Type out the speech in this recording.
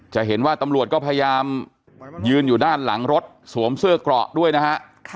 จะเห็นว่าตำรวจก็พยายามยืนอยู่ด้านหลังรถสวมเสื้อเกราะด้วยนะฮะ